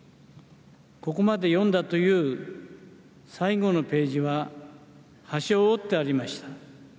ここまで読んだという最後のページは端を折ってありました。